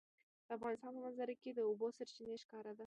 د افغانستان په منظره کې د اوبو سرچینې ښکاره ده.